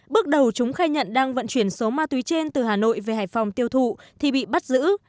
bước đầu chúng khai nhận đang vận chuyển số ma túy trên từ hà nội về hải phòng tiêu thụ thì bị bắt giữ